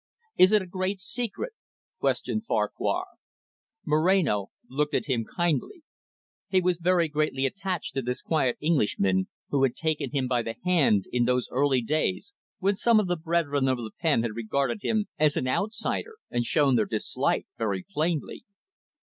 "Is it a great secret?" questioned Farquhar. Moreno looked at him kindly. He was very greatly attached to this quiet Englishman, who had taken him by the hand in those early days when some of the brethren of the pen had regarded him as an outsider, and shown their dislike very plainly.